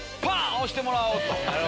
押してもらおうと。